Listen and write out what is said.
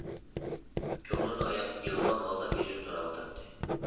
كۆڭلۈمنى ئاياپ يىغلىغان ھالدا كەچۈرۈم سوراۋاتاتتى.